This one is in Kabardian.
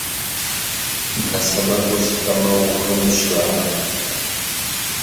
Нэ сэмэгур шхэмэ, угъынущ, жаӏэ.